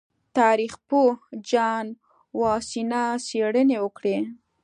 تاریخ پوه جان واسینا څېړنې وکړې.